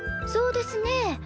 そうですね。